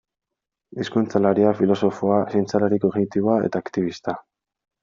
Hizkuntzalaria, filosofoa, zientzialari kognitiboa eta aktibista.